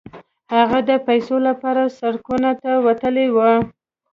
هغه د پيسو لپاره سړکونو ته وتلی و.